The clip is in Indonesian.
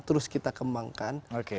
terus kita kembangkan